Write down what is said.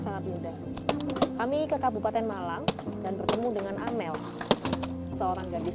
sangat mudah kami ke kabupaten malang dan bertemu dengan amel seorang gadis